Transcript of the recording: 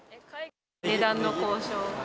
値段の交渉。